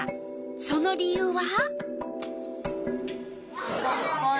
その理由は？